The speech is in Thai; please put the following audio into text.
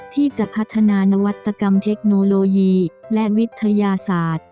ที่จะพัฒนานวัตกรรมเทคโนโลยีและวิทยาศาสตร์